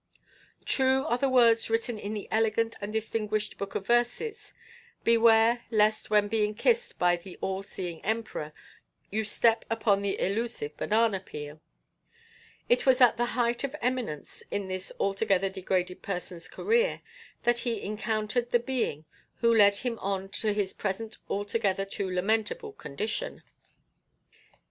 True are the words written in the elegant and distinguished Book of Verses: "Beware lest when being kissed by the all seeing Emperor, you step upon the elusive banana peel." It was at the height of eminence in this altogether degraded person's career that he encountered the being who led him on to his present altogether too lamentable condition.